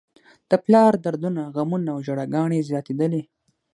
د پلار دردونه، غمونه او ژړاګانې یې زياتېدلې.